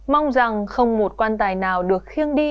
mong rằng không một quan tài nào được khiêng đi